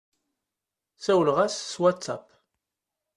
Sawleɣ-as s WhatsApp.